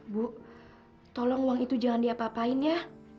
bu tolong uang itu jangan diapa apain ya